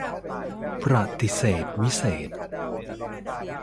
ประติเษธวิเศษณ์